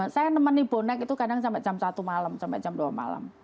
saya nemenin bonek itu kadang sampai jam satu malam sampai jam dua malam